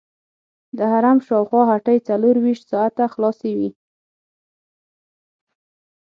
د حرم شاوخوا هټۍ څلورویشت ساعته خلاصې وي.